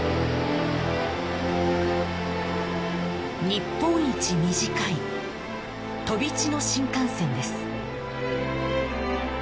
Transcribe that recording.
日本一短い飛び地の新幹線です